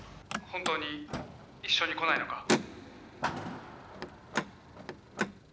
「本当に一緒に来ないのか？」